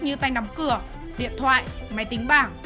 như tay nắm cửa điện thoại máy tính bảng